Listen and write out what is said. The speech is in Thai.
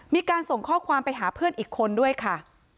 มีการส่งข้อความไปหาเพื่อนอีกคนด้วยค่ะ